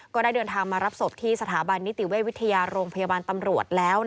ก็ได้เดินทางมารับศพที่สถาบันนิติเวชวิทยาโรงพยาบาลตำรวจแล้ว